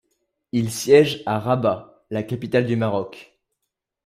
Il siège à Rabat, la capitale du Maroc.